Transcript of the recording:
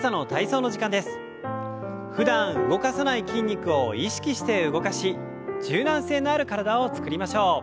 ふだん動かさない筋肉を意識して動かし柔軟性のある体を作りましょう。